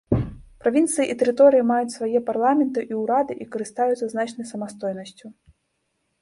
Правінцыі і тэрыторыі маюць свае парламенты і ўрады і карыстаюцца значнай самастойнасцю.